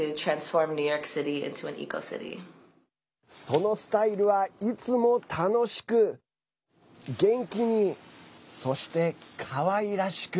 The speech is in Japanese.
そのスタイルはいつも楽しく、元気にそして、かわいらしく。